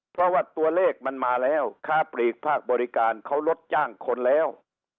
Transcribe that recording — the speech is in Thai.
เพราะว่าตัวเลขมันมาแล้วค้าปลีกภาคบริการเขาลดจ้างคนแล้ว